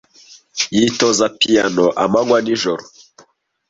Yitoza piyano amanywa n'ijoro.